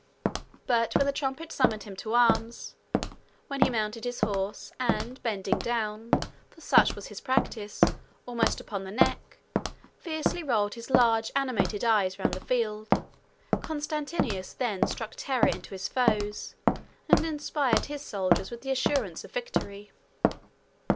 But when the trumpet summoned him to arms; when he mounted his horse, and, bending down (for such was his singular practice) almost upon the neck, fiercely rolled his large animated eyes round the field, Constantius then struck terror into his foes, and inspired his soldiers with the assurance of victory.